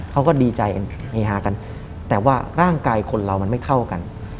เขาก็ดีใจกันเฮฮากันแต่ว่าร่างกายคนเรามันไม่เท่ากัน